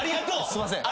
すんません。